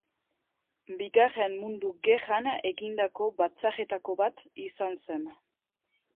Bigarren mundu gerran egindako batzarretako bat izan zen.